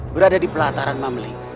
berada di pelataran mamling